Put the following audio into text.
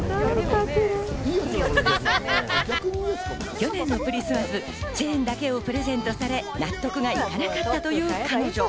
去年のクリスマス、チェーンだけをプレゼントされ、納得がいかなかったという彼女。